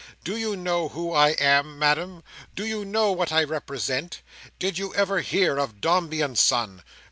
Do you know who I am, Madam? Do you know what I represent? Did you ever hear of Dombey and Son?